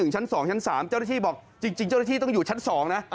เจ้าตะที่บอกจริงเจ้าตะที่ต้องอยู่ชั้น๒นะ